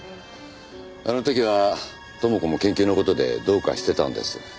あの時は知子も研究の事でどうかしてたんです。